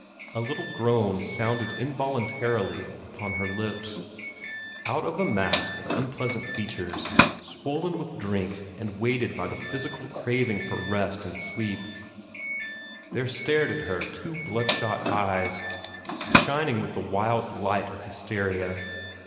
A little groan sounded involuntarily upon her lips. Out of a mask of unpleasant features, swollen with drink and weighted by the physical craving for rest and sleep, there stared at her two bloodshot eyes, shining with the wild light of hysteria.